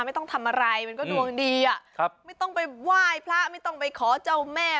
ไม่ต้องทำอะไรมันก็ดวงดีอ่ะครับไม่ต้องไปไหว้พระไม่ต้องไปขอเจ้าแม่